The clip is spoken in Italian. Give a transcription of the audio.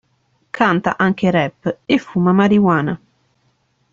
Canta anche rap e fuma marijuana.